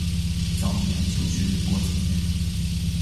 早年就学于国子监。